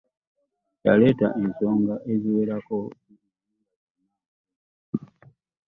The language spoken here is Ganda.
Yaleeta ensonga eziwerako naye nga zonna nfu!